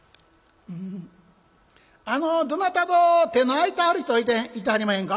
あのどなたぞ手の空いたある人はいてはりまへんか？」。